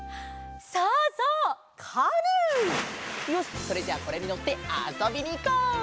よしそれじゃあこれにのってあそびにいこう！